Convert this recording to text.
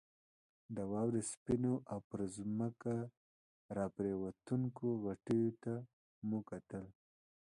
د واورې سپینو او پر ځمکه راپرېوتونکو غټیو ته مو کتل.